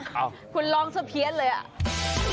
คุณร้องเสียเพียสเลยอ่ะ